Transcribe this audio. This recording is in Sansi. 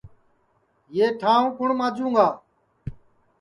یو ٹھانٚو کُوٹؔ ماجوں گا